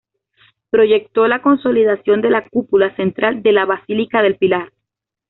Proyectó la consolidación de la cúpula central de la Basílica del Pilar.